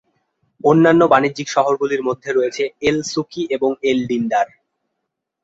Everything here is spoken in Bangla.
অন্যান্য বাণিজ্যিক শহরগুলির মধ্যে রয়েছে এল-সুকি এবং এল-ডিন্ডার।